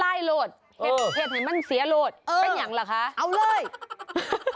อ้าวเห็นมันพังโหลด